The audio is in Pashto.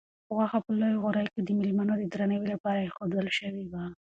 غوښه په لویو غوریو کې د مېلمنو د درناوي لپاره ایښودل شوې وه.